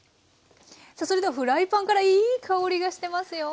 さあそれではフライパンからいい香りがしてますよ。